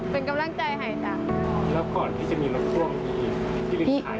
เป็นกำลังใจให้จัง